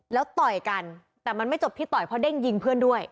แล้วต่อยกันแต่มันไม่จบที่ต่อยเพราะเด้งยิงเพื่อนด้วย